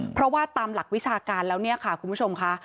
เพราะว่าตามหลักวิชาการแล้วเนี่ยค่ะคุณผู้ชมค่ะ